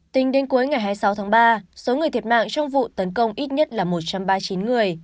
tính đến cuối ngày hai mươi sáu tháng ba số người thiệt mạng trong vụ tấn công ít nhất là một trăm ba mươi chín người